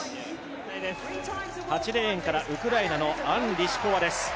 ８レーンからウクライナのアン・リシコワです。